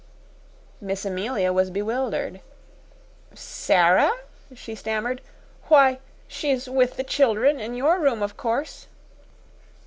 Miss Amelia was bewildered. "Sara!" she stammered. "Why, she's with the children in your room, of course."